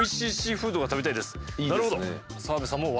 なるほど。